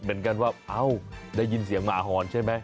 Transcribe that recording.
มีเสียงหง่าหอนใช่ไหม